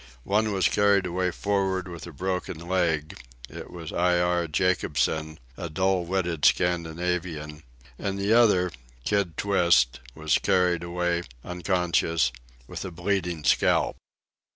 One was carried away for'ard with a broken leg—it was Iare Jacobson, a dull witted Scandinavian; and the other, Kid Twist, was carried away, unconscious, with a bleeding scalp.